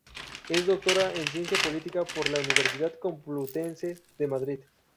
Es doctora en Ciencia Política por la Universidad Complutense de Madrid.